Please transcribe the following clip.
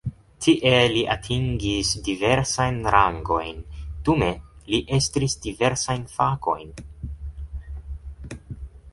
Tie li atingis diversajn rangojn, dume li estris diversajn fakojn.